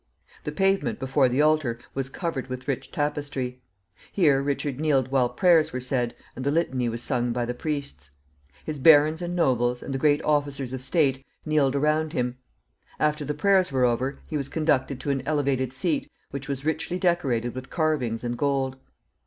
The pavement before the altar was covered with rich tapestry. Here Richard kneeled while prayers were said and the Litany was sung by the priests. His barons and nobles, and the great officers of state, kneeled around him. After the prayers were over, he was conducted to an elevated seat, which was richly decorated with carvings and gold.